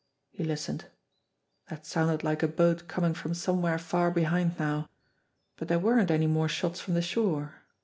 He listened. That sounded like a boat coming from somewhere far behind now. But there weren't any more shots from the shore.